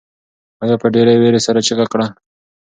انا په ډېرې وېرې سره چیغه کړه.